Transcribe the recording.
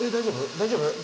大丈夫？